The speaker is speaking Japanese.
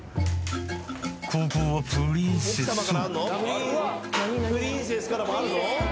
後攻はプリンセス